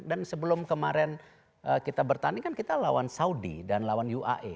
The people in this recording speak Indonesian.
dan sebelum kemarin kita bertanding kan kita lawan saudi dan lawan uae